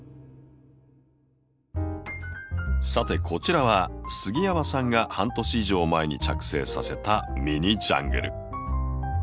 さてこちらは杉山さんが半年以上前に着生させたミニジャングル。